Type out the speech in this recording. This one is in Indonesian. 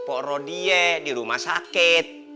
pok rodia dirumah sakit